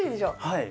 はい。